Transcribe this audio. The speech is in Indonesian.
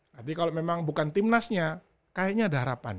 jadi kalau memang bukan tim nasnya kayaknya ada harapan